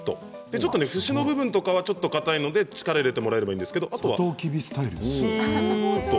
でちょっとね節の部分とかはちょっとかたいので力入れてもらえればいいんですがあとはすっと。